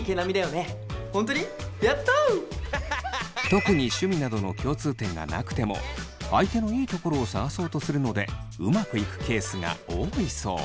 特に趣味などの共通点がなくても相手のいいところを探そうとするのでうまくいくケースが多いそう。